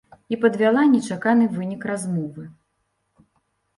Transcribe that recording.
І падвяла нечаканы вынік размовы.